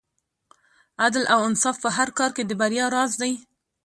عدل او انصاف په هر کار کې د بریا راز دی.